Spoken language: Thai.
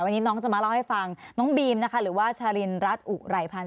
วันนี้น้องจะมาเล่าให้ฟังน้องบีมนะคะหรือว่าชารินรัฐอุไรพันธ